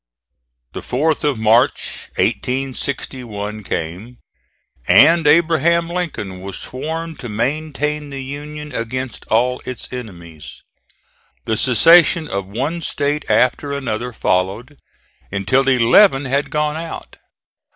The 4th of March, 1861, came, and Abraham Lincoln was sworn to maintain the Union against all its enemies. The secession of one State after another followed, until eleven had gone out.